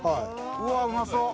うわうまそう。